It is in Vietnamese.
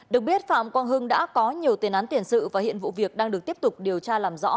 được biết phạm quang hưng đã có nhiều tiền án tiền sự và hiện vụ việc đang được tiếp tục điều tra làm rõ